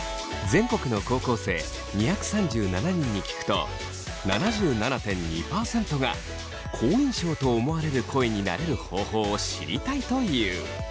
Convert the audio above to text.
全国の高校生２３７人に聞くと７７．２％が好印象と思われる声になれる方法を知りたいという。